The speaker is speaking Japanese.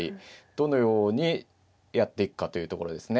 どのようにやっていくかというところですね。